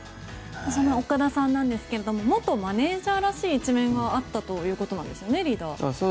岡田さんなんですが元マネジャーらしい一面があったということなんですよね。